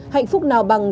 hạnh phúc nào bằng